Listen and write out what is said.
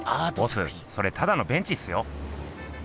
ボスそれただのベンチっすよ。